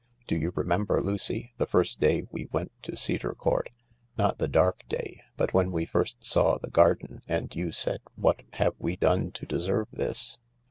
Do you remember, Lucy, the first day we went to Cedar Court — not the dark day, but when we first saw the garden, and you said what have we done to deserve this